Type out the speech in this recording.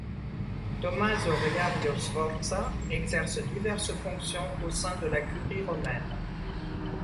Tommaso Riario Sforza exerce diverses fonctions au sein de la Curie romaine.